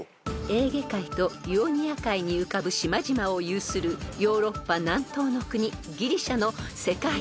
［エーゲ海とイオニア海に浮かぶ島々を有するヨーロッパ南東の国］